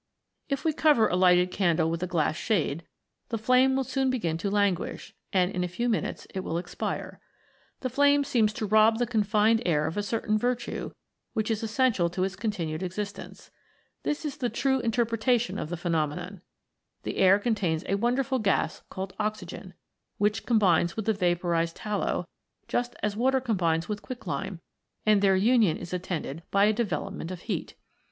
If we cover a lighted candle with a glass shade, the flame will soon begin to languish, and in a few minutes it will expire. The flame seems to rob the confined air of a certain virtue which is essential to its continued existence. This is the true interpretation of the phenomenon. The air contains a wonderful gas called oxygen, which combines with the vaporized tallow, just as water combines with quicklime, and their union is attended by a development of heat.